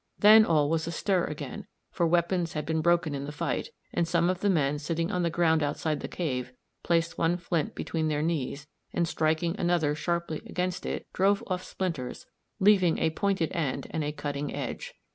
Then all was astir again, for weapons had been broken in the fight, and some of the men sitting on the ground outside the cave placed one flint between their knees, and striking another sharply against it drove off splinters, leaving a pointed end and cutting edge.